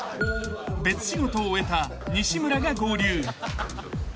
［別仕事を終えた西村が合流］